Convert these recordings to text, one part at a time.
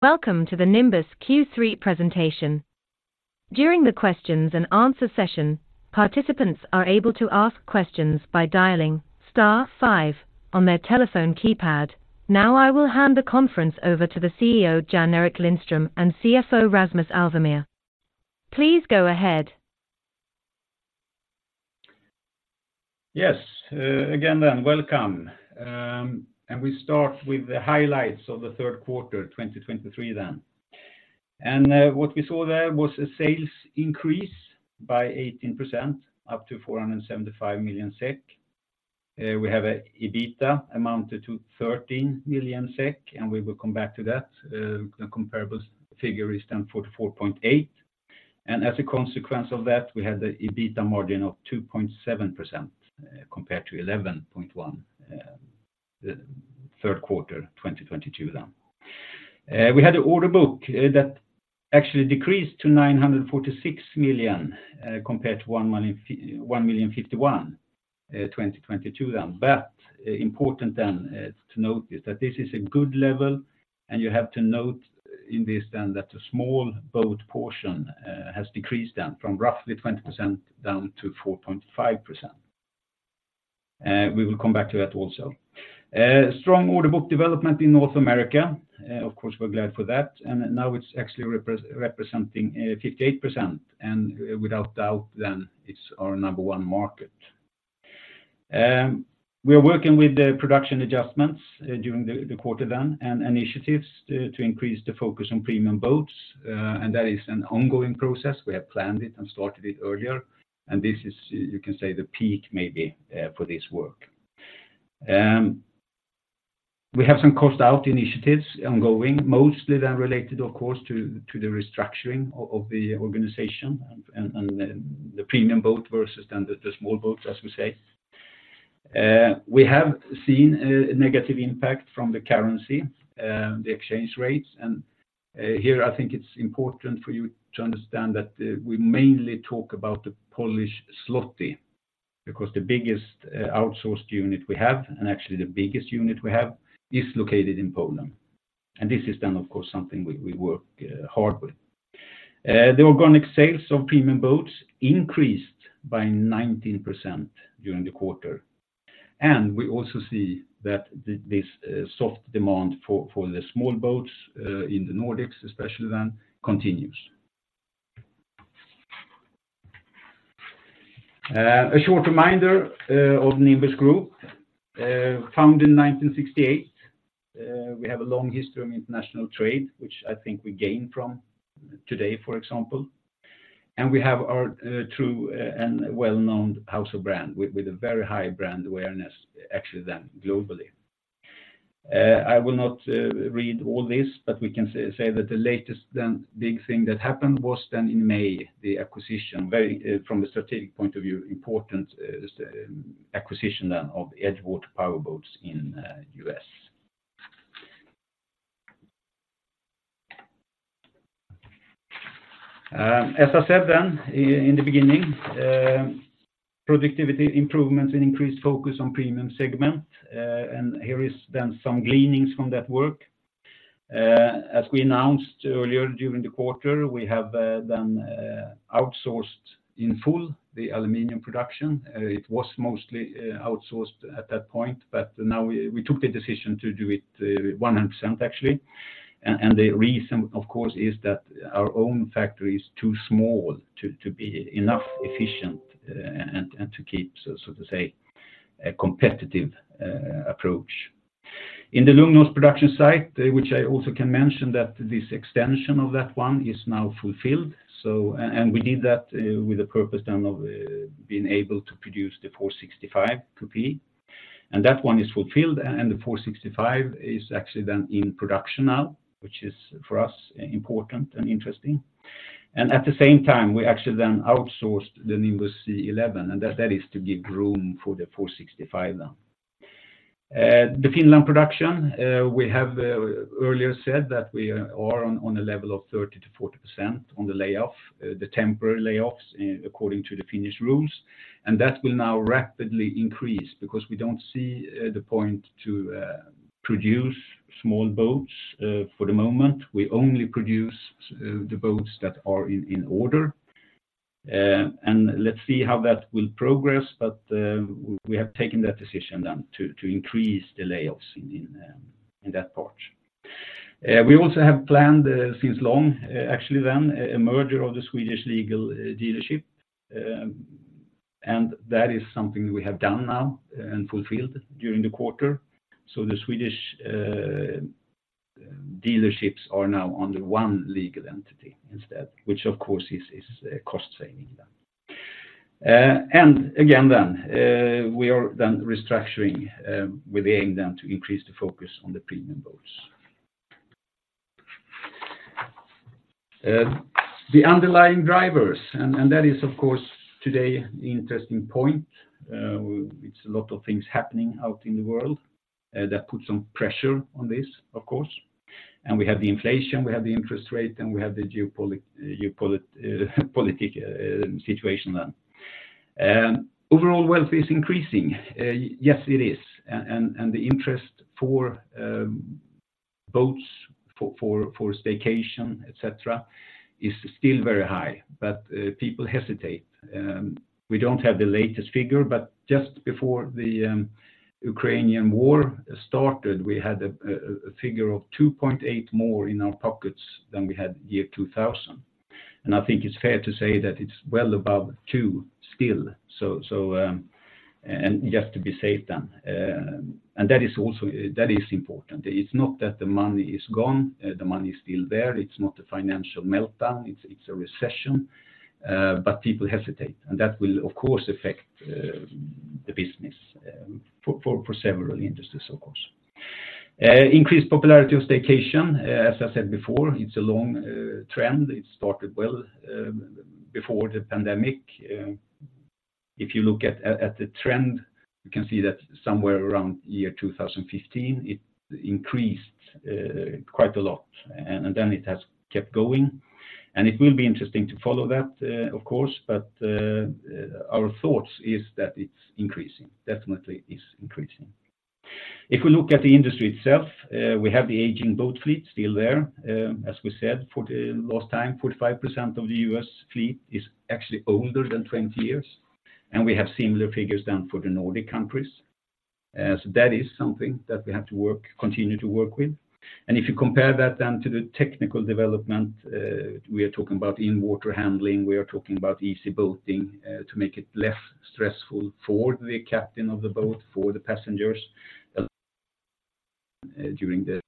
Welcome to the Nimbus Q3 presentation. During the questions and answer session, participants are able to ask questions by dialing star five on their telephone keypad. Now, I will hand the conference over to the CEO, Jan-Erik Lindström, and CFO, Rasmus Alvemyr. Please go ahead. Yes, again, then welcome. And we start with the highlights of the Q3, 2023 then. And, what we saw there was a sales increase by 18%, up to 475 million SEK. We have a EBITDA amounted to 13 million SEK, and we will come back to that. The comparable figure is then 44.8, and as a consequence of that, we had the EBITDA margin of 2.7%, compared to 11.1%, Q3, 2022 then. We had an order book, that actually decreased to 946 million, compared to 151 million, 2022 then. But important then, to note is that this is a good level, and you have to note in this then, that the small boat portion has decreased down from roughly 20% down to 4.5%. We will come back to that also. Strong order book development in North America, of course, we're glad for that, and now it's actually representing 58%, and without doubt, then it's our number one market. We are working with the production adjustments during the quarter then, and initiatives to increase the focus on premium boats. And that is an ongoing process. We have planned it and started it earlier, and this is, you can say, the peak maybe, for this work. We have some cost out initiatives ongoing, mostly they're related, of course, to the restructuring of the organization and the premium boat versus then the small boats, as we say. We have seen a negative impact from the currency, the exchange rates, and here I think it's important for you to understand that we mainly talk about the Polish Zloty, because the biggest outsourced unit we have, and actually the biggest unit we have, is located in Poland, and this is then, of course, something we work hard with. The organic sales of premium boats increased by 19% during the quarter, and we also see that this soft demand for the small boats in the Nordics, especially then, continues. A short reminder of Nimbus Group, found in 1968. We have a long history of international trade, which I think we gain from today, for example. We have our true and well-known house of brand with a very high brand awareness, actually, than globally. I will not read all this, but we can say that the latest big thing that happened was then in May, the very, from a strategic point of view, important acquisition then of EdgeWater Power Boats in U.S. As I said in the beginning, productivity improvements and increased focus on premium segment, and here is then some gleanings from that work. As we announced earlier during the quarter, we have then outsourced in full the aluminum production. It was mostly outsourced at that point, but now we took the decision to do it 100%, actually. The reason, of course, is that our own factory is too small to be enough efficient, and to keep so to say, a competitive approach. In the Lugnås production site, which I also can mention, that this extension of that one is now fulfilled. We did that with the purpose then of being able to produce the 465 Coupé. That one is fulfilled, and the 465 is actually then in production now, which is for us, important and interesting. At the same time, we actually then outsourced the Nimbus C11, and that is to give room for the 465 now. The Finland production, we have earlier said that we are on a level of 30%-40% on the layoff, the temporary layoffs, according to the Finnish rules and that will now rapidly increase because we don't see the point to produce small boats for the moment. We only produce the boats that are in order. And let's see how that will progress, but we have taken that decision then to increase the layoffs in that part. We also have planned since long actually then a merger of the Swedish legal dealership. And that is something we have done now and fulfilled during the quarter. So the Swedish dealerships are now under one legal entity instead, which of course is cost-saving then. And again, then, we are then restructuring with the aim then to increase the focus on the premium boats. The underlying drivers, and that is, of course, today, the interesting point. It's a lot of things happening out in the world that put some pressure on this, of course, and we have the inflation, we have the interest rate, and we have the geopolitical situation then. And overall wealth is increasing. Yes, it is. And the interest for boats for staycation, etc, is still very high, but people hesitate. We don't have the latest figure, but just before the Ukrainian war started, we had a figure of 2.8 more in our pockets than we had year 2000. I think it's fair to say that it's well above two still. Just to be safe then, and that is also important. It's not that the money is gone, the money is still there. It's not a financial meltdown, it's a recession, but people hesitate, and that will, of course, affect the business for several industries, of course. Increased popularity of staycation, as I said before, it's a long trend. It started well before the pandemic. If you look at the trend, you can see that somewhere around year 2015, it increased quite a lot, and then it has kept going. And it will be interesting to follow that, of course, but our thoughts is that it's increasing definitely, it's increasing. If we look at the industry itself, we have the aging boat fleet still there. As we said, for the last time, 45% of the U.S. fleet is actually older than 20 years, and we have similar figures than for the Nordic countries. So that is something that we have to work, continue to work with. And if you compare that then to the technical development, we are talking about in water handling, we are talking about easy boating, to make it less stressful for the captain of the boat, for the passengers, during the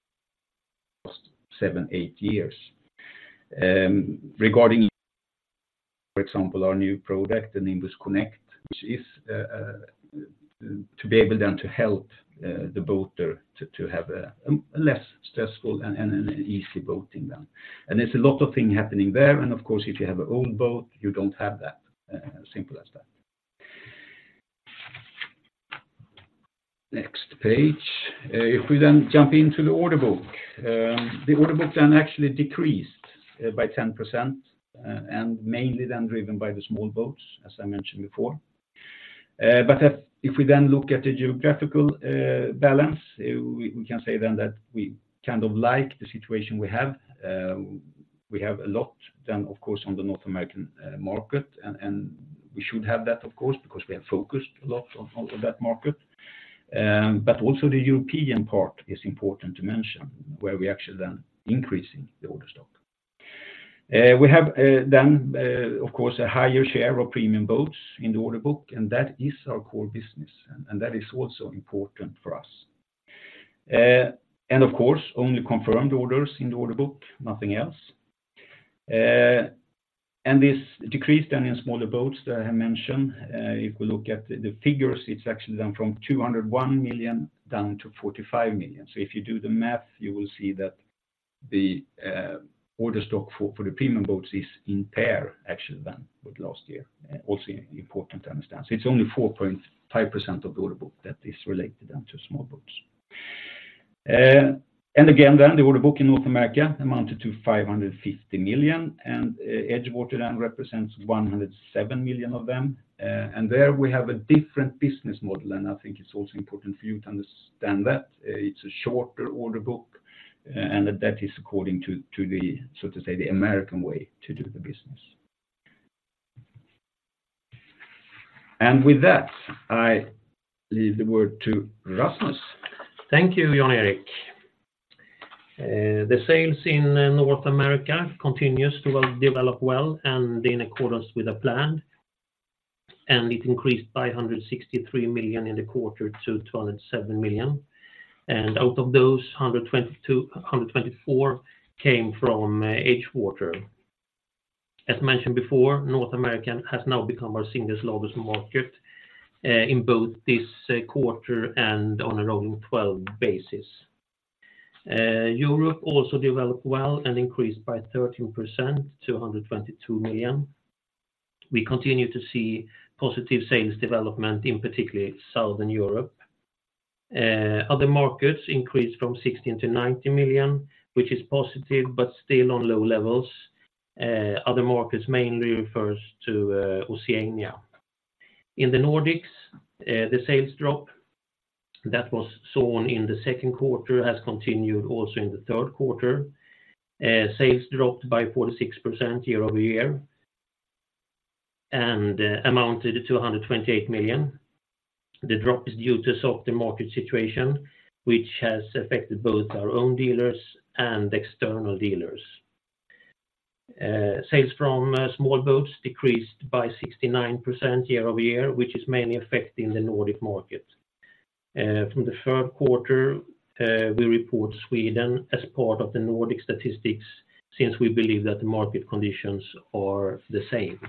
last 7-8 years. Regarding, for example, our new product, the Nimbus Connect, which is, to be able then to help, the boater to, to have a, a less stressful and, and an easy boating then. And there's a lot of things happening there, and of course, if you have your own boat, you don't have that as simple as that. Next page. If we then jump into the order book, the order book then actually decreased by 10%, and mainly then driven by the small boats, as I mentioned before. But if we then look at the geographical balance, we can say then that we kind of like the situation we have. We have a lot then, of course, on the North American market, and we should have that, of course, because we have focused a lot on that market. But also the European part is important to mention, where we actually then increasing the order stock. We have, then, of course, a higher share of premium boats in the order book, and that is our core business, and that is also important for us. And of course, only confirmed orders in the order book, nothing else. And this decrease then in smaller boats that I have mentioned, if we look at the figures, it's actually down from 201 million down to 45 million. So if you do the math, you will see that the order stock for the premium boats is on par, actually, with last year. Also important to understand. So it's only 4.5% of the order book that is related then to small boats. And again, then the order book in North America amounted to $550 million, and EdgeWater then represents $107 million of them. And there we have a different business model, and I think it's also important for you to understand that it's a shorter order book, and that is according to, so to say, the American way to do the business. And with that, I leave the word to Rasmus. Thank you, Jan-Erik. The sales in North America continues to develop well and in accordance with the plan, and it increased by 163 million in the quarter to 207 million. Out of those, 122-124 came from EdgeWater. As mentioned before, North America has now become our single largest market in both this quarter and on a rolling 12 basis. Europe also developed well and increased by 13% to 122 million. We continue to see positive sales development in particularly Southern Europe. Other markets increased from 60 million to 90 million, which is positive but still on low levels. Other markets mainly refers to Oceania. In the Nordics, the sales drop that was seen in the H2 has continued also in the Q3. Sales dropped by 46% year over year and amounted to 128 million. The drop is due to softer market situation, which has affected both our own dealers and external dealers. Sales from small boats decreased by 69% year over year, which is mainly affecting the Nordic market. From the Q3, we report Sweden as part of the Nordic statistics since we believe that the market conditions are the same.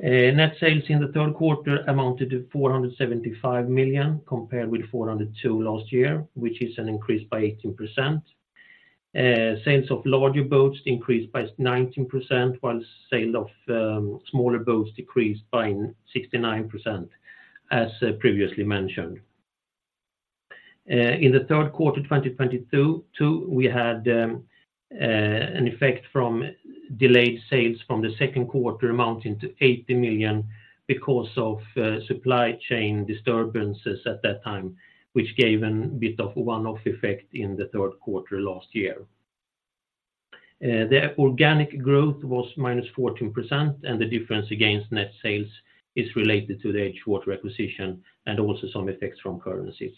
Net sales in the Q3 amounted to 475 million, compared with 402 million last year, which is an increase by 18%. Sales of larger boats increased by 19%, while sale of smaller boats decreased by 69%, as previously mentioned. In the Q3 2022, we had an effect from delayed sales from the second quarter amounting to 80 million because of supply chain disturbances at that time, which gave a bit of one-off effect in the Q3 last year. The organic growth was -14%, and the difference against net sales is related to the EdgeWater acquisition and also some effects from currencies.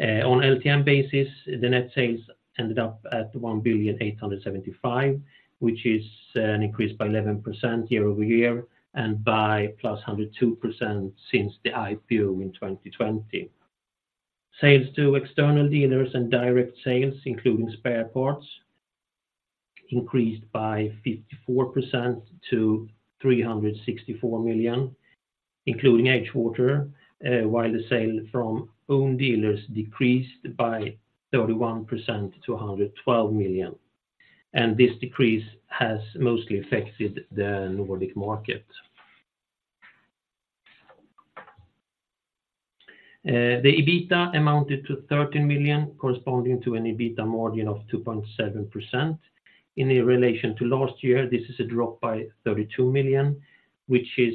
On LTM basis, the net sales ended up at 1,875 million, which is an increase by 11% year-over-year and by +102% since the IPO in 2020. Sales to external dealers and direct sales, including spare parts, increased by 54% to 364 million, including EdgeWater, while the sale from own dealers decreased by 31% to 112 million, and this decrease has mostly affected the Nordic market. The EBITDA amounted to 13 million, corresponding to an EBITDA margin of 2.7%. In relation to last year, this is a drop by 32 million, which is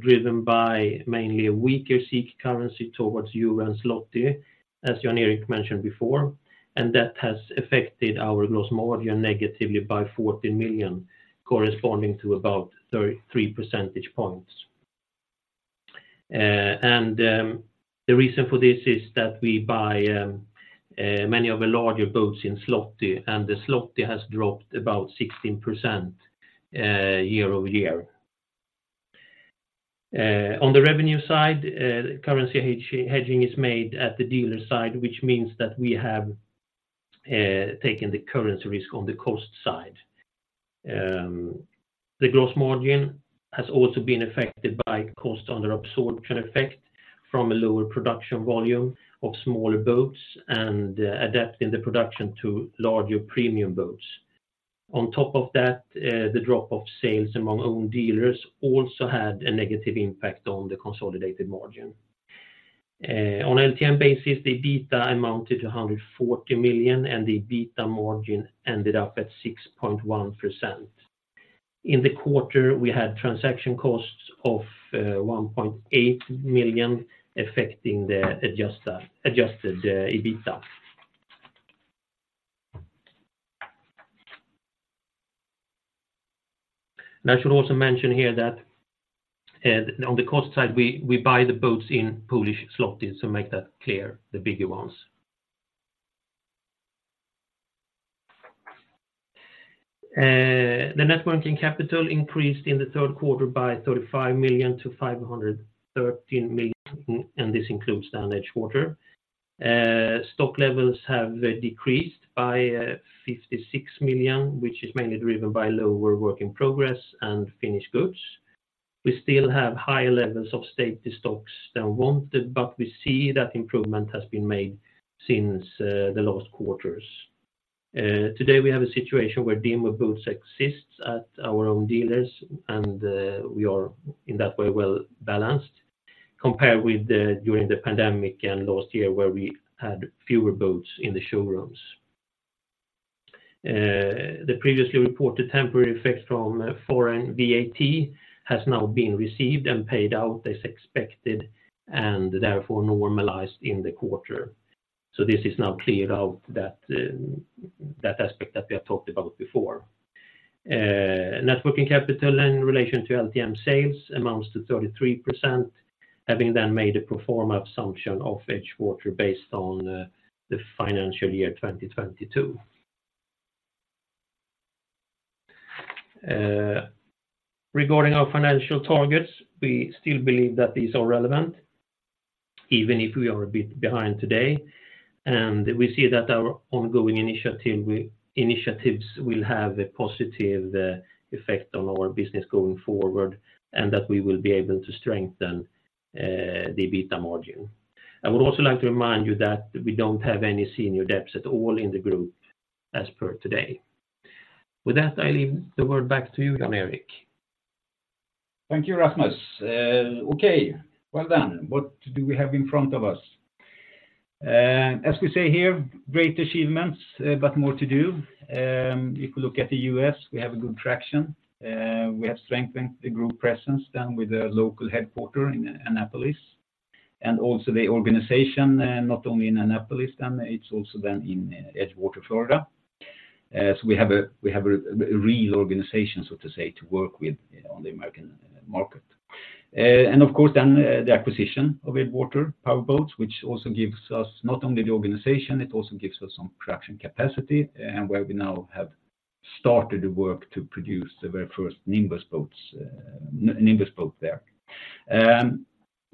driven by mainly a weaker SEK currency towards euro and zloty, as Jan-Erik mentioned before, and that has affected our gross margin negatively by 14 million, corresponding to about 33 percentage points. The reason for this is that we buy many of the larger boats in zloty, and the zloty has dropped about 16%, year-over-year. On the revenue side, currency hedging is made at the dealer side, which means that we have taken the currency risk on the cost side. The gross margin has also been affected by cost under absorption effect from a lower production volume of smaller boats and adapting the production to larger premium boats. On top of that, the drop of sales among own dealers also had a negative impact on the consolidated margin. On LTM basis, the EBITDA amounted to 140 million, and the EBITDA margin ended up at 6.1%. In the quarter, we had transaction costs of 1.8 million affecting the adjusted EBITDA. And I should also mention here that, on the cost side, we buy the boats in Polish Zloty, so make that clear, the bigger ones. The net working capital increased in the Q3 by 35 million to 513 million, and this includes down EdgeWater. Stock levels have decreased by 56 million, which is mainly driven by lower work in progress and finished goods. We still have higher levels of safety stocks than wanted, but we see that improvement has been made since the last quarters. Today, we have a situation where dealer boats exists at our own dealers, and we are, in that way, well balanced, compared with the during the pandemic and last year, where we had fewer boats in the showrooms. The previously reported temporary effect from foreign VAT has now been received and paid out as expected, and therefore normalized in the quarter. So this is now cleared out, that that aspect that we have talked about before. Net working capital in relation to LTM sales amounts to 33%, having then made a pro forma assumption of EdgeWater based on the financial year 2022. Regarding our financial targets, we still believe that these are relevant, even if we are a bit behind today, and we see that our ongoing initiative, initiatives will have a positive effect on our business going forward, and that we will be able to strengthen the EBITDA margin. I would also like to remind you that we don't have any senior debts at all in the group as per today. With that, I leave the word back to you, Jan-Erik. Thank you, Rasmus. Okay, well done. What do we have in front of us? As we say here, great achievements, but more to do. If you look at the U.S., we have a good traction. We have strengthened the group presence then with the local headquarters in Annapolis, and also the organization, and not only in Annapolis, then it's also then in Edgewater, Florida. So we have a, we have a, a real organization, so to say, to work with on the American market. And of course, then, the acquisition of EdgeWater Power Boats, which also gives us not only the organization, it also gives us some production capacity, and where we now have started the work to produce the very first Nimbus boats, Nimbus boat there.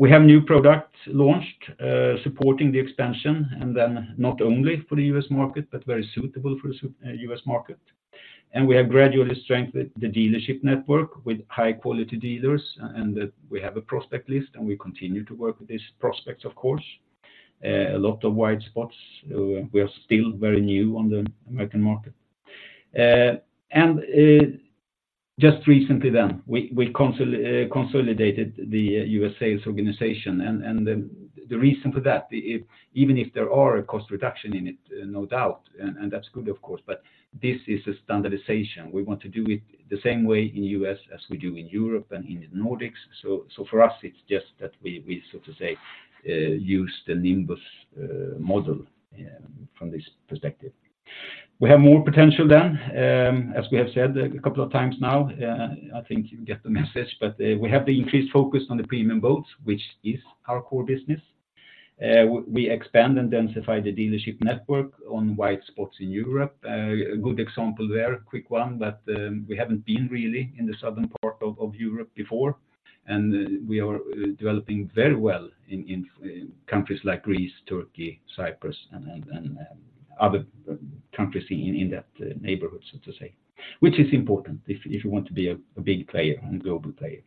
We have new products launched, supporting the expansion, and then not only for the U.S. market, but very suitable for the U.S. market. We have gradually strengthened the dealership network with high-quality dealers, and that we have a prospect list, and we continue to work with these prospects, of course. A lot of white spots. We are still very new on the American market. Just recently then, we consolidated the U.S. sales organization. The reason for that, if even if there are a cost reduction in it, no doubt, and that's good, of course, but this is a standardization. We want to do it the same way in U.S. as we do in Europe and in the Nordics. So for us, it's just that we so to say use the Nimbus model from this perspective. We have more potential then, as we have said a couple of times now, I think you get the message, but we have the increased focus on the premium boats, which is our core business. We expand and densify the dealership network on white spots in Europe. A good example there, a quick one, but we haven't been really in the southern part of Europe before, and we are developing very well in countries like Greece, Turkey, Cyprus, and other countries in that neighborhood, so to say, which is important if you want to be a big player and global player.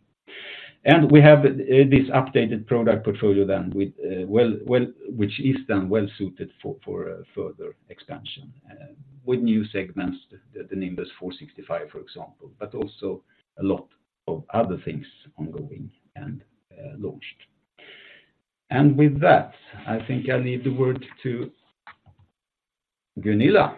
We have this updated product portfolio then with well, well, which is then well-suited for further expansion with new segments, the Nimbus 465, for example, but also a lot of other things ongoing and launched. And with that, I think I leave the word to Gunilla.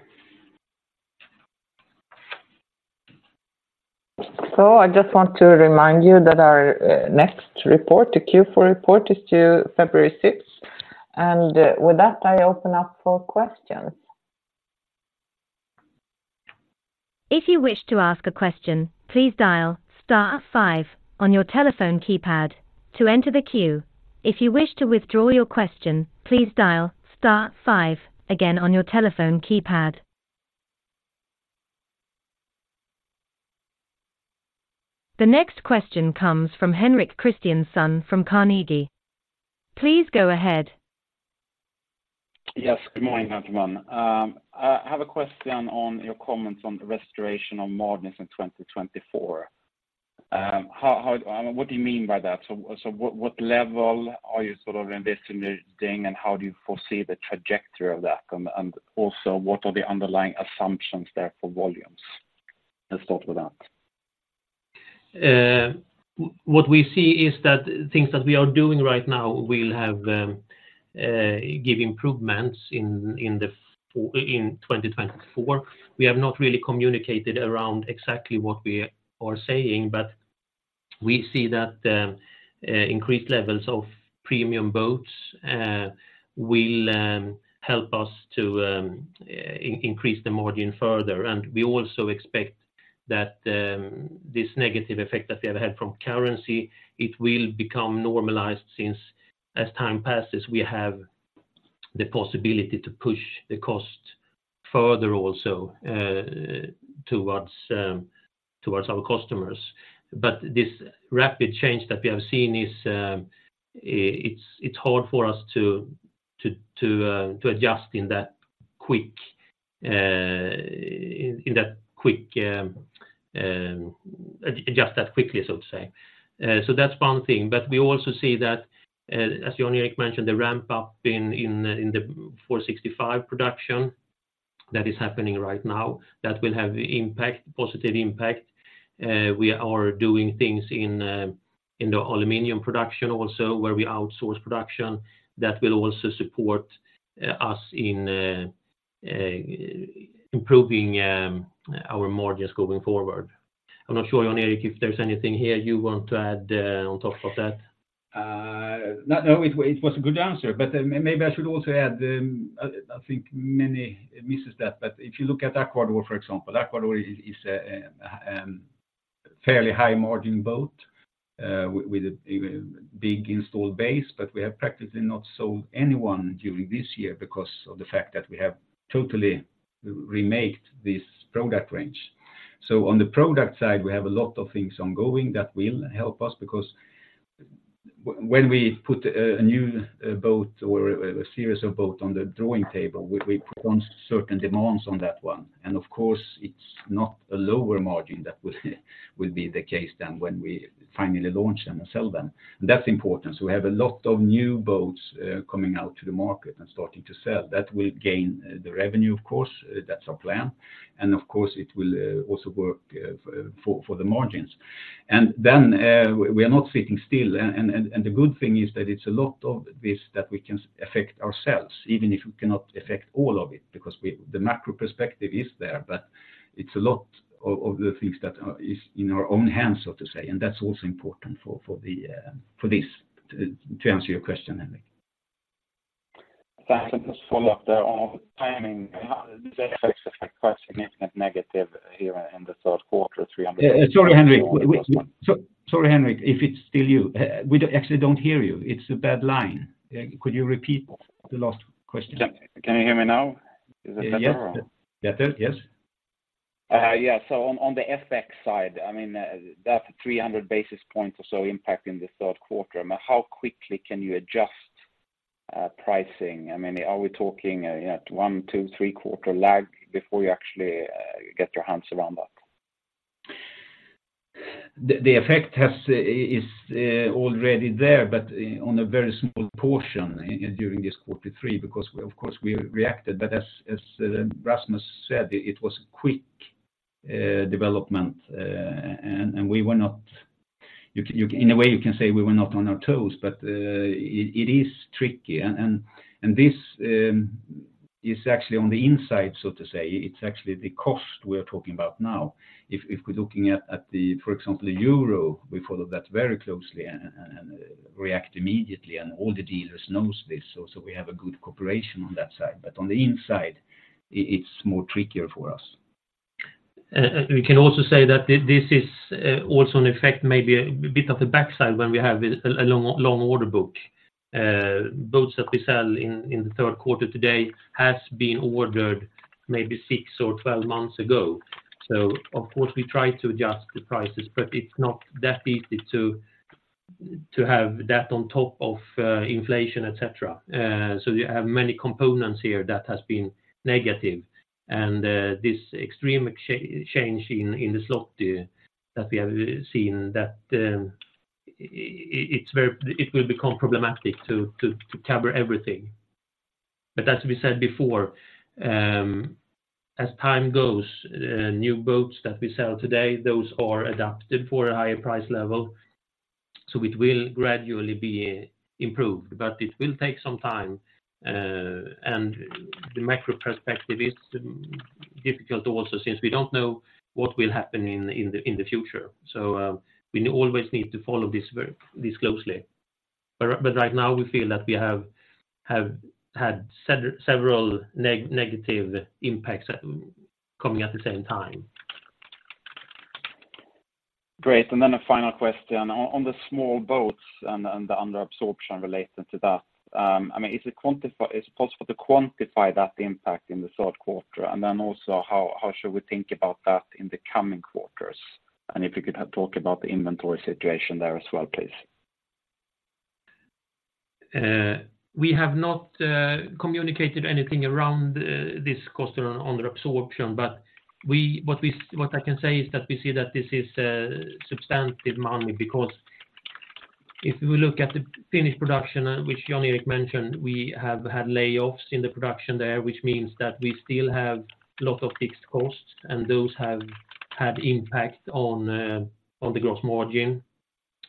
I just want to remind you that our next report, the Q4 report, is due 16th February. With that, I open up for questions. If you wish to ask a question, please dial star five on your telephone keypad to enter the queue. If you wish to withdraw your question, please dial star five again on your telephone keypad. The next question comes from Henrik Christiansson from Carnegie. Please go ahead. Yes, good morning, everyone. I have a question on your comments on the restoration on margins in 2024. How... What do you mean by that? So, what level are you sort of investigating, and how do you foresee the trajectory of that? And also, what are the underlying assumptions there for volumes? Let's start with that. What we see is that things that we are doing right now will give improvements in 2024. We have not really communicated around exactly what we are saying, but we see that the increased levels of premium boats will help us to increase the margin further. And we also expect that this negative effect that we have had from currency, it will become normalized since as time passes, we have the possibility to push the cost further also towards our customers. But this rapid change that we have seen is. It's hard for us to adjust that quickly, so to say. So that's one thing. But we also see that, as Jan-Erik mentioned, the ramp up in the 465 production that is happening right now, that will have impact, positive impact. We are doing things in the aluminum production also, where we outsource production. That will also support us in improving our margins going forward. I'm not sure, Jan-Erik, if there's anything here you want to add, on top of that? No, no, it was a good answer, but maybe I should also add, I think many miss that, but if you look at Aquador, for example, Aquador is a fairly high-margin boat with a big installed base, but we have practically not sold any during this year because of the fact that we have totally remade this product range. So on the product side, we have a lot of things ongoing that will help us, because when we put a new boat or a series of boat on the drawing table, we put on certain demands on that one. And of course, it's not a lower margin that will be the case than when we finally launch them and sell them that's important. So we have a lot of new boats coming out to the market and starting to sell. That will gain the revenue, of course, that's our plan, and of course, it will also work for the margins. And then we are not sitting still, and the good thing is that it's a lot of this that we can affect ourselves, even if we cannot affect all of it, because the macro perspective is there, but it's a lot of the things that are in our own hands, so to say, and that's also important for this to answer your question, Henrik. Thanks. Just follow up there on timing. The effects are quite significant negative here in the Q3 Sorry, Henrik. So sorry, Henrik, if it's still you, we actually don't hear you. It's a bad line. Could you repeat the last question? Can, can you hear me now? Is it better or- Yes. Better, yes. Yeah. So on the FX side, I mean, that's 300 basis points or so impact in the Q3. I mean, how quickly can you adjust pricing? I mean, are we talking, you know, 1, 2, 3-quarter lag before you actually get your hands around that? The effect is already there, but on a very small portion during this quarter three, because we, of course, reacted. But as Rasmus said, it was quick development, and we were not—you can, in a way, you can say we were not on our toes, but it is tricky. And this is actually on the inside, so to say, it's actually the cost we are talking about now. If we're looking at, for example, the euro, we follow that very closely and react immediately, and all the dealers knows this, so we have a good cooperation on that side. But on the inside, it's more trickier for us. We can also say that this is also an effect, maybe a bit of a backside when we have a long order book. Boats that we sell in the Q3 today has been ordered maybe 6 or 12 months ago. So of course, we try to adjust the prices, but it's not that easy to have that on top of inflation, etc. So you have many components here that has been negative, and this extreme change in the zloty that we have seen, that it's very it will become problematic to cover everything. But as we said before, as time goes, new boats that we sell today, those are adapted for a higher price level, so it will gradually be improved. But it will take some time, and the macro perspective is difficult also, since we don't know what will happen in the future. So, we always need to follow this very closely. But right now, we feel that we have had several negative impacts coming at the same time. Great. Then a final question. On the small boats and the under absorption related to that, I mean, is it possible to quantify that impact in the Q3? And then also, how should we think about that in the coming quarters? And if you could talk about the inventory situation there as well, please. We have not communicated anything around this cost on under absorption, but what we, what I can say is that we see that this is a substantial money. Because if we look at the finish production, which Jan-Erik mentioned, we have had layoffs in the production there, which means that we still have a lot of fixed costs, and those have had impact on the, on the gross margin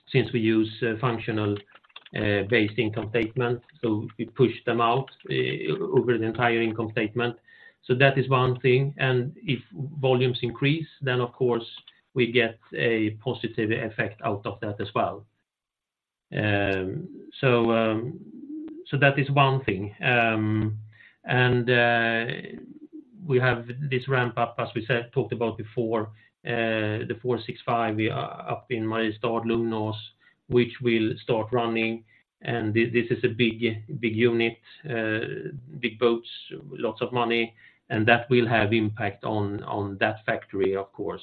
since we use functional based income statement, so we push them out over the entire income statement. So that is one thing, and if volumes increase, then of course, we get a positive effect out of that as well. So, so that is one thing. We have this ramp up, as we said, talked about before, the 465, we are up in Mariestad, Lugnås, which will start running, and this is a big, big unit, big boats, lots of money, and that will have impact on that factory, of course.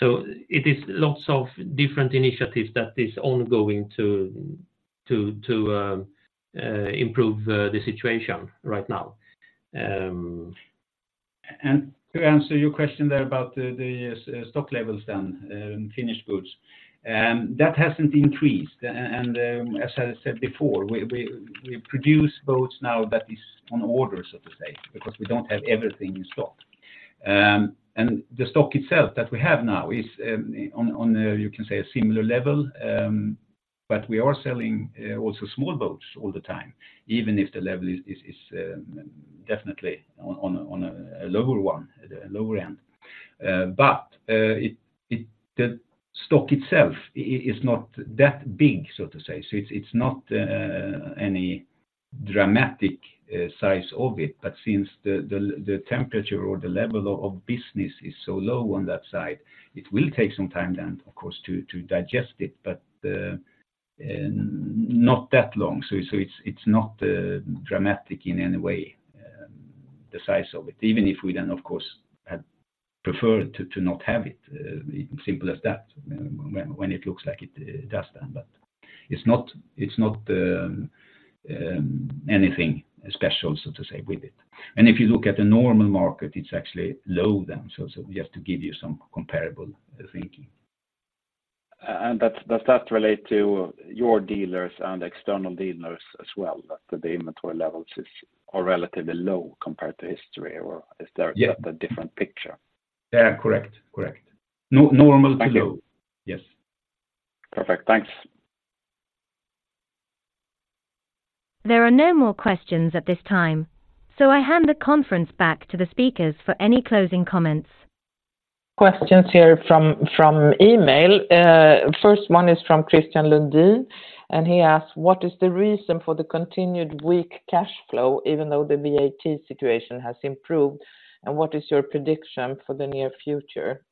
So it is lots of different initiatives that is ongoing to improve the situation right now. To answer your question there about the stock levels then in finished goods, that hasn't increased. As I said before, we produce boats now that is on order, so to say, because we don't have everything in stock. The stock itself that we have now is on a, you can say, a similar level, but we are selling also small boats all the time, even if the level is definitely on a lower one, at a lower end. The stock itself is not that big, so to say. So it's not any dramatic size of it, but since the temperature or the level of business is so low on that side, it will take some time then, of course, to digest it, but not that long. So it's not dramatic in any way, the size of it, even if we then, of course, had preferred to not have it, simple as that, when it looks like it does then, but it's not anything special, so to say, with it. And if you look at the normal market, it's actually low then. So just to give you some comparable thinking. Does that relate to your dealers and external dealers as well, that the inventory levels are relatively low compared to history, or is there- Yeah a different picture? Yeah, correct. Correct. No, normal is low. Thank you. Yes. Perfect. Thanks. There are no more questions at this time, so I hand the conference back to the speakers for any closing comments. Questions here from email. First one is from Christian Lundy, and he asks, "What is the reason for the continued weak cash flow, even though the VAT situation has improved, and what is your prediction for the near future?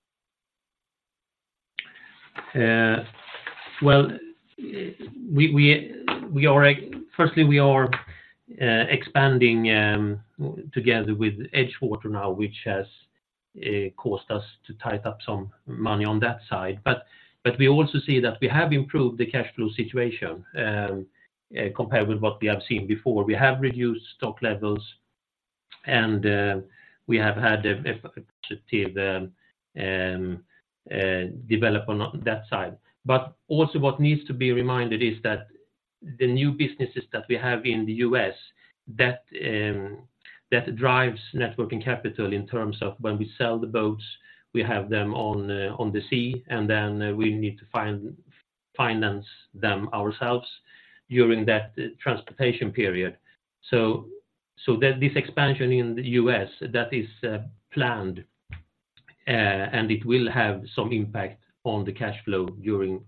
Well, we are firstly expanding together with EdgeWater now, which has caused us to tie up some money on that side. But we also see that we have improved the cash flow situation compared with what we have seen before. We have reduced stock levels, and we have had a positive development on that side. But also, what needs to be reminded is that the new businesses that we have in the U.S. drives net working capital in terms of when we sell the boats, we have them on the sea, and then we need to finance them ourselves during that transportation period. So then this expansion in the U.S., that is planned, and it will have some impact on the cash flow during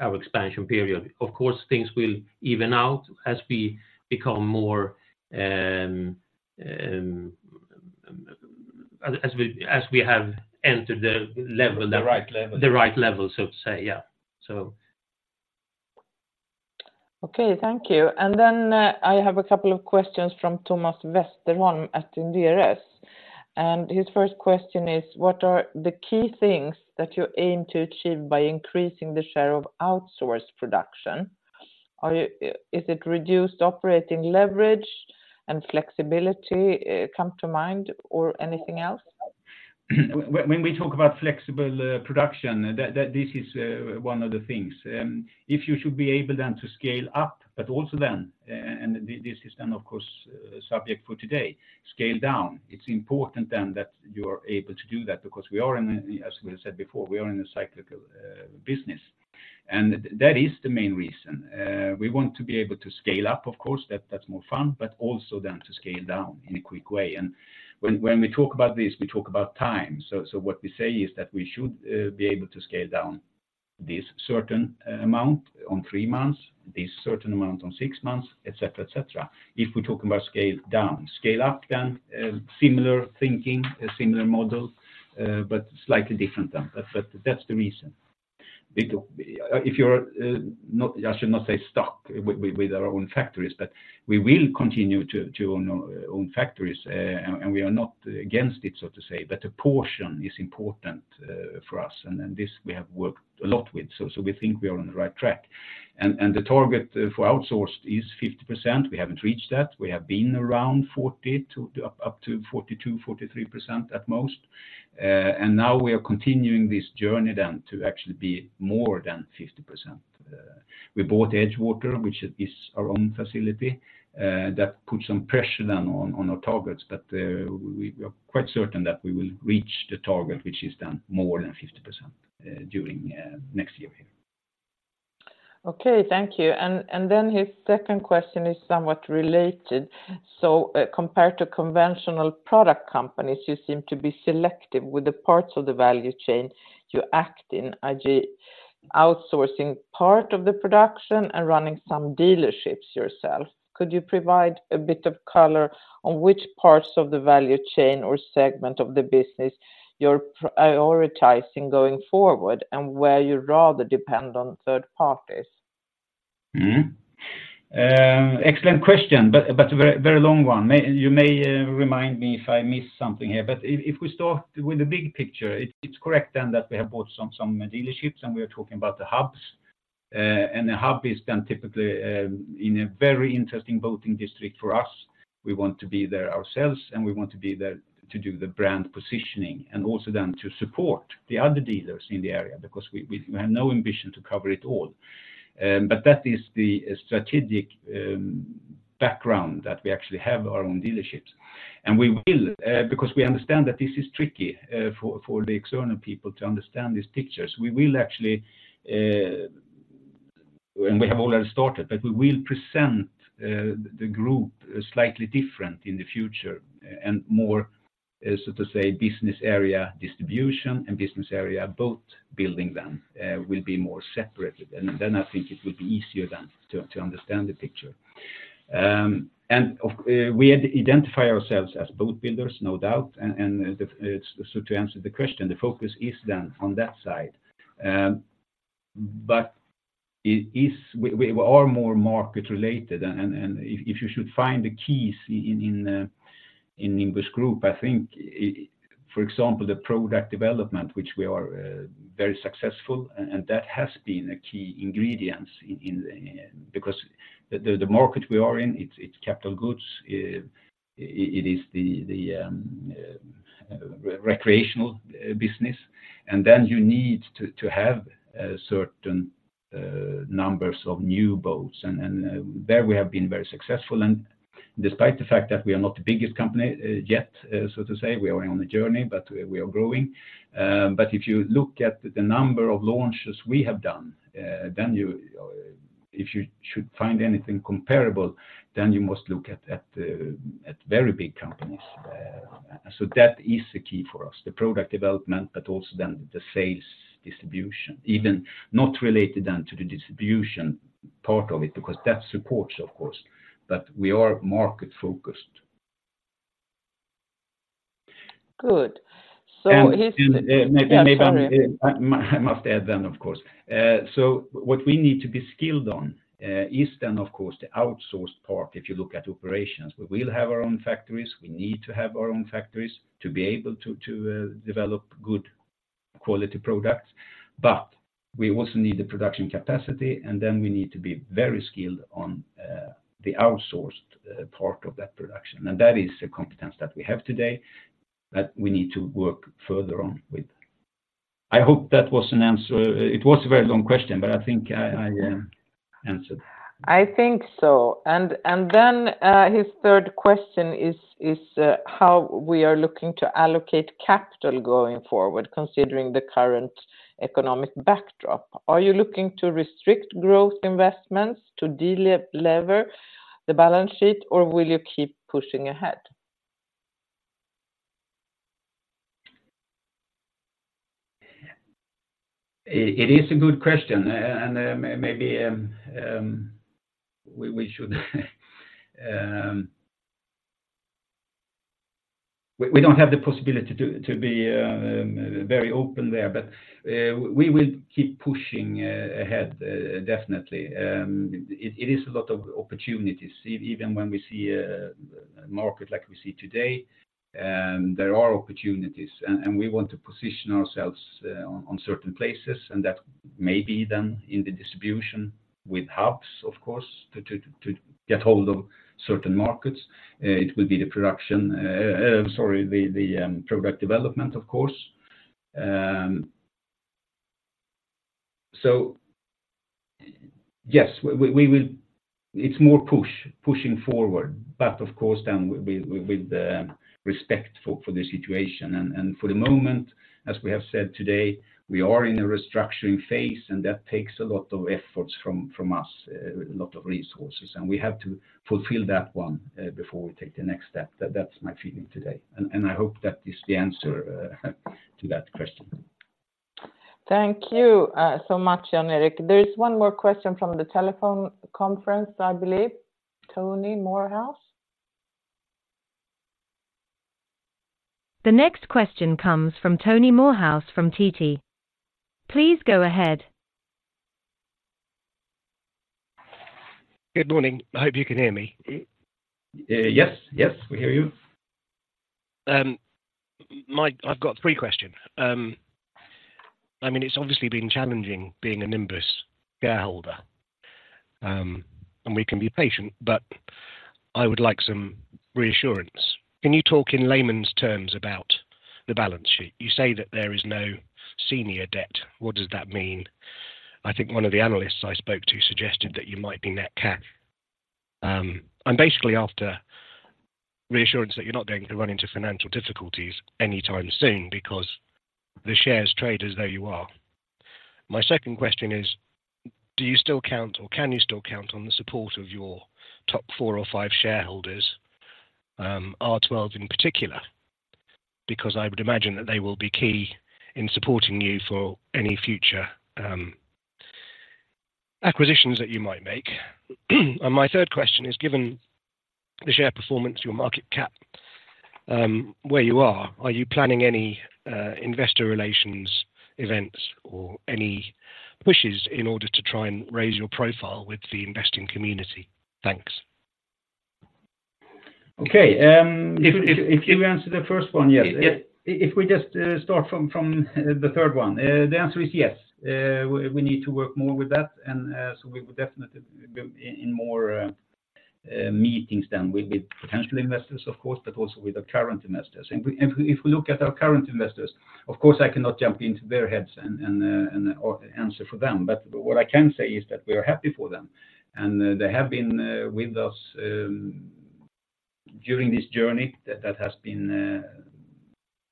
our expansion period. Of course, things will even out as we become more as we have entered the level that- The right level. The right level, so to say, yeah. So. Okay, thank you. And then, I have a couple of questions from Thomas Westerholm at Inderes. And his first question is: What are the key things that you aim to achieve by increasing the share of outsourced production? Are you, is it reduced operating leverage and flexibility, come to mind, or anything else? When we talk about flexible production, that this is one of the things. If you should be able then to scale up, but also then, and this is then, of course, subject for today, scale down. It's important then that you are able to do that because, as we said before, we are in a cyclical business, and that is the main reason. We want to be able to scale up, of course, that's more fun, but also then to scale down in a quick wayand when we talk about this, we talk about time. So what we say is that we should be able to scale down this certain amount on three months, this certain amount on six months, etc. If we're talking about scale down. Scale up, then, similar thinking, a similar model, but slightly different then. But that's the reason. We do if you're not, I should not say stuck with our own factories, but we will continue to own factories, and we are not against it, so to say, but a portion is important for us, and this we have worked a lot with. So we think we are on the right track. And the target for outsourced is 50%. We haven't reached that. We have been around 40 to, up to 42, 43% at most. And now we are continuing this journey then to actually be more than 50%. We bought EdgeWater, which is our own facility, that put some pressure then on our targets, but we are quite certain that we will reach the target, which is then more than 50%, during next year here. Okay, thank you. And then his second question is somewhat related. So, compared to conventional product companies, you seem to be selective with the parts of the value chain you act in, i.e., outsourcing part of the production and running some dealerships yourself. Could you provide a bit of color on which parts of the value chain or segment of the business you're prioritizing going forward and where you rather depend on third parties? Mm-hmm. Excellent question, but, but a very, very long one. You may remind me if I miss something here. But if, if we start with the big picture, it, it's correct then that we have bought some, some dealerships, and we are talking about the hubs and a hub is then typically in a very interesting boating district for us. We want to be there ourselves, and we want to be there to do the brand positioning and also then to support the other dealers in the area because we, we have no ambition to cover it all. But that is the strategic background that we actually have our own dealerships. And we will, because we understand that this is tricky, for, for the external people to understand these pictures, we will actually... And we have already started, but we will present the group slightly different in the future and more, so to say, business area distribution and business area boat building then will be more separated. And then I think it will be easier then to understand the picture. And we identify ourselves as boat builders, no doubt, and the, so to answer the question, the focus is then on that side. But we are more market related, and if you should find the keys in Nimbus Group, I think for example, the product development, which we are very successful, and that has been a key ingredients in... Because the market we are in, it's capital goods, it is the recreational business, and then you need to have certain numbers of new boats, and there we have been very successful. And despite the fact that we are not the biggest company yet, so to say, we are on a journey, but we are growing. But if you look at the number of launches we have done, then you, if you should find anything comparable, then you must look at very big companies. So that is the key for us, the product development, but also then the sales distribution, even not related then to the distribution part of it, because that supports, of course, but we are market focused. Good. So his- And maybe Yeah, sorry. I must add, then, of course. So what we need to be skilled on is then, of course, the outsourced part, if you look at operations. We will have our own factories, we need to have our own factories to be able to develop good quality products, but we also need the production capacity, and then we need to be very skilled on the outsourced part of that production. And that is a competence that we have today, but we need to work further on with... I hope that was an answer. It was a very long question, but I think I answered. I think so. And then his third question is how we are looking to allocate capital going forward considering the current economic backdrop? Are you looking to restrict growth investments to deliver the balance sheet, or will you keep pushing ahead? It is a good question, and maybe we should. We don't have the possibility to be very open there, but we will keep pushing ahead definitely. It is a lot of opportunities, even when we see a market like we see today, there are opportunities, and we want to position ourselves on certain places, and that may be then in the distribution with hubs, of course, to get hold of certain markets. It will be the production, sorry, the product development, of course. So yes, we will—it's more pushing forward, but of course, then with respect for the situation. For the moment, as we have said today, we are in a restructuring phase, and that takes a lot of efforts from us, a lot of resources, and we have to fulfill that one before we take the next step. That's my feeling today, and I hope that is the answer to that question. Thank you, so much, Jan-Erik. There is one more question from the telephone conference, I believe. Tony Morehouse? The next question comes from Tony Morehouse from TT. Please go ahead. Good morning. Hope you can hear me. Yes, yes, we hear you. I've got three questions. I mean, it's obviously been challenging being a Nimbus shareholder, and we can be patient, but I would like some reassurance. Can you talk in layman's terms about the balance sheet? You say that there is no senior debt. What does that mean? I think one of the analysts I spoke to suggested that you might be net cash. I'm basically after reassurance that you're not going to run into financial difficulties anytime soon because the shares trade as though you are. My second question is, do you still count, or can you still count on the support of your top four or five shareholders, R12 in particular? Because I would imagine that they will be key in supporting you for any future, acquisitions that you might make. My third question is, given the share performance, your market cap, where you are, are you planning any investor relations events or any pushes in order to try and raise your profile with the investing community? Thanks. Okay, um- If, if- If you answer the first one, yes. Yeah. If we just start from the third one, the answer is yes. We need to work more with that, and so we will definitely be in more meetings with potential investors, of course, but also with our current investors. And if we look at our current investors, of course, I cannot jump into their heads and or answer for them, but what I can say is that we are happy for them, and they have been with us during this journey that has been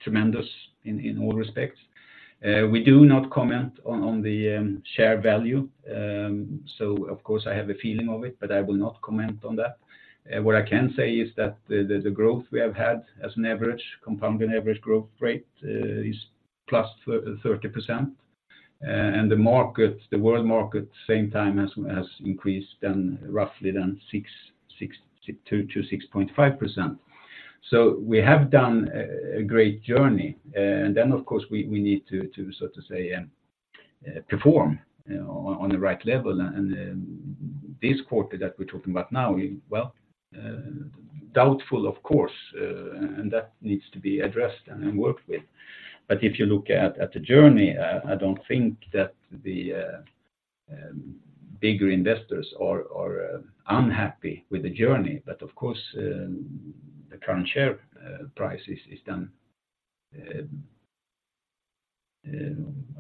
tremendous in all respects. We do not comment on the share value. So of course, I have a feeling of it, but I will not comment on that. What I can say is that the growth we have had as an average, compounded average growth rate is +30%. And the market, the world market, at the same time has increased by roughly 6%-6.5%. So we have done a great journey, and then, of course, we need to so to say perform on the right level. And this quarter that we're talking about now, doubtful, of course, and that needs to be addressed and worked with. But if you look at the journey, I don't think that the bigger investors are unhappy with the journey, but of course, the current share price is then,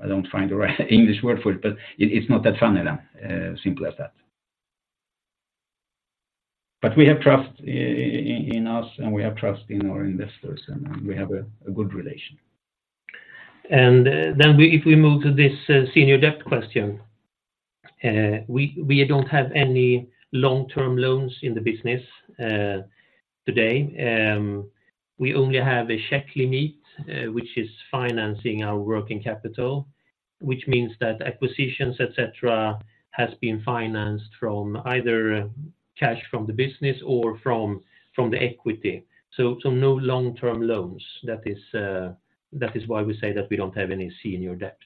I don't find the right English word for it, but it's not that fun anymore, simple as that. But we have trust in us, and we have trust in our investors, and we have a good relation. And if we move to this senior debt question, we don't have any long-term loans in the business today. We only have a credit limit which is financing our working capital, which means that acquisitions, etc, has been financed from either cash from the business or from the equity. So no long-term loans. That is, that is why we say that we don't have any senior debts.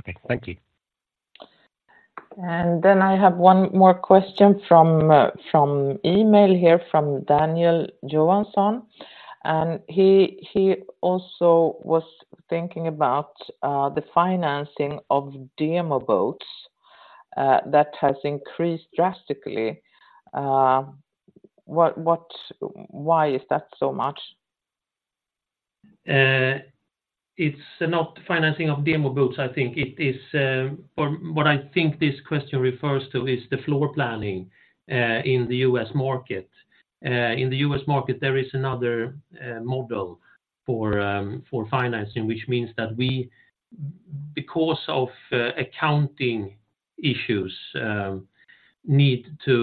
Okay, thank you. And then I have one more question from email here, from Daniel Johansson. And he also was thinking about the financing of demo boats that has increased drastically. Why is that so much? It's not financing of demo boats, I think. It is, or what I think this question refers to is the floor planning in the U.S. market. In the U.S. market, there is another model for financing, which means that we, because of accounting issues, need to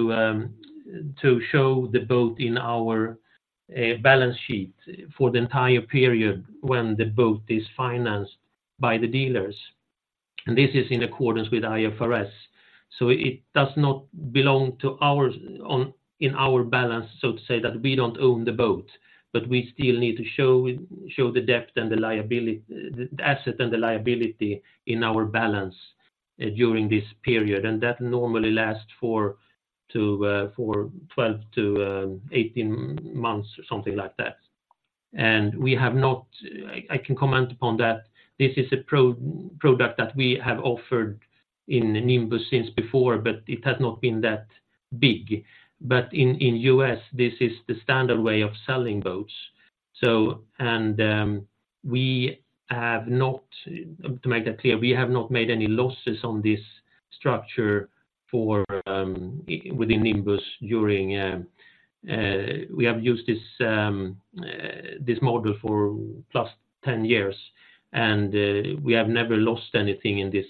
show the boat in our balance sheet for the entire period when the boat is financed by the dealers. This is in accordance with IFRS. It does not belong to our, on, in our balance, so to say, that we don't own the boat, but we still need to show the debt and the liability, the asset and the liability in our balance during this period. That normally lasts for 12-18 months or something like that. We have not... I can comment upon that. This is a product that we have offered in Nimbus since before, but it has not been that big. But in U.S., this is the standard way of selling boats. So, to make that clear, we have not made any losses on this structure for within Nimbus during we have used this this model for 10+ years, and we have never lost anything in this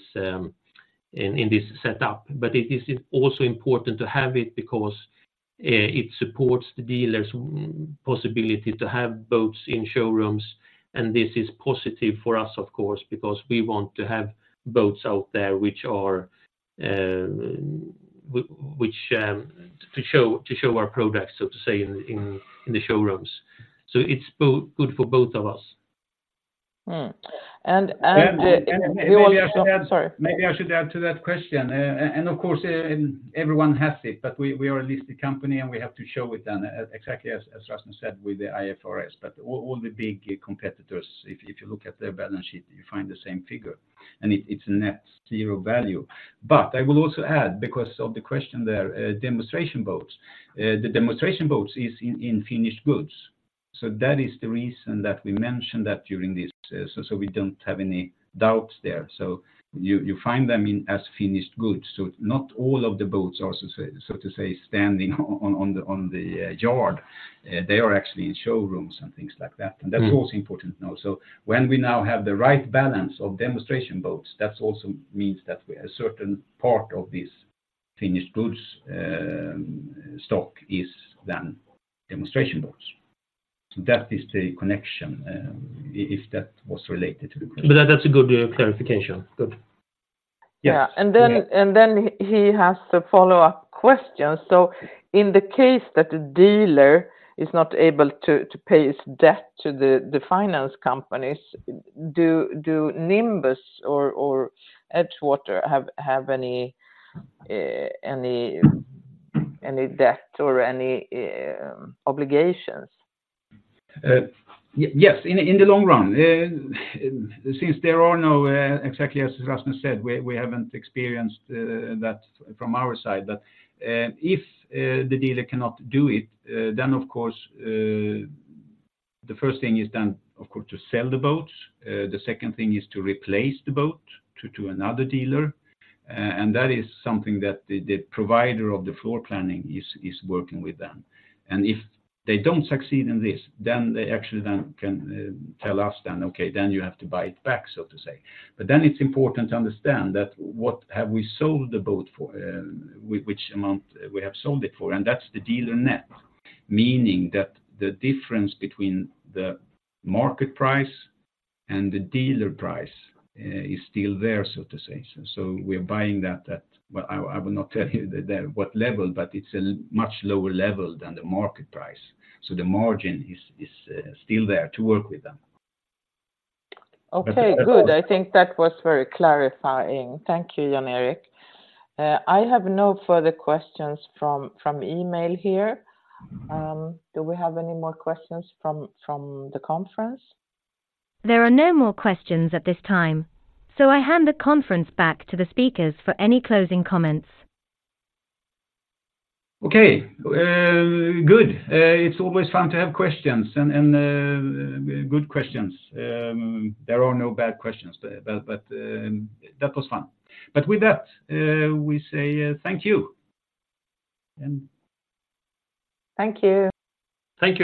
in this setup. But it is also important to have it because it supports the dealers' possibility to have boats in showrooms, and this is positive for us, of course, because we want to have boats out there which are which to show to show our products, so to say, in in in the showrooms. So it's good for both of us. Mm. And, and, uh- Maybe I should add Sorry. Maybe I should add to that question. And, of course, everyone has it, but we are a listed company, and we have to show it then, exactly as Rasmus said, with the IFRS. But all the big competitors, if you look at their balance sheet, you find the same figure, and it, it's net zero value. But I will also add, because of the question there, demonstration boats. The demonstration boats is in finished goods. So that is the reason that we mentioned that during this, so we don't have any doubts there. So you find them in, as finished goods. So not all of the boats are, so to say, standing on the yard. They are actually in showrooms and things like that. That's also important to know. So when we now have the right balance of demonstration boats, that also means a certain part of this finished goods stock is then demonstration boats. So that is the connection, if that was related to the question. But that, that's a good clarification. Good. Yes. Yeah. Yeah. Then he has a follow-up question. So in the case that the dealer is not able to pay his debt to the finance companies, do Nimbus or EdgeWater have any debt or any obligations? Yes, in the long run. Since there are no, exactly as Rasmus said, we haven't experienced that from our side. But if the dealer cannot do it, then, of course, the first thing is then, of course, to sell the boats. The second thing is to replace the boat to another dealer. And that is something that the provider of the floor planning is working with them. And if they don't succeed in this, then they actually then can tell us, "Okay, then you have to buy it back," so to say. But then it's important to understand that what have we sold the boat for, which amount we have sold it for, and that's the dealer net, meaning that the difference between the market price and the dealer price is still there, so to say. So we're buying that at... Well, I will not tell you what level, but it's a much lower level than the market price, so the margin is still there to work with them. Okay, good I think that was very clarifying. Thank you, Jan-Erik. I have no further questions from email here. Do we have any more questions from the conference? There are no more questions at this time, so I hand the conference back to the speakers for any closing comments. Okay. Good. It's always fun to have questions and, and, good questions. There are no bad questions, but, but, that was fun. But with that, we say, thank you and... Thank you. Thank you.